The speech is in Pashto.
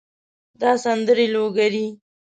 دا سندرې لوګري